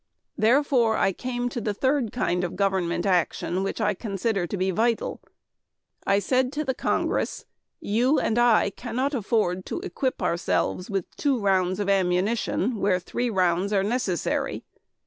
Therefore, I came to the third kind of government action which I consider to be vital. I said to the Congress: "You and I cannot afford to equip ourselves with two rounds of ammunition where three rounds are necessary.